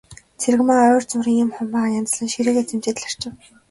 Цэрэгмаа ойр зуурын юм, хумаа янзлан ширээгээ цэмбийтэл арчив.